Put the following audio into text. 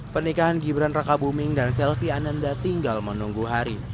pernikahan gibran raka buming dan selvi ananda tinggal menunggu hari